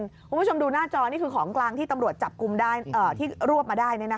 คุณผู้ชมดูหน้าจอนี่คือของกลางที่ตำรวจจับกลุ่มได้ที่รวบมาได้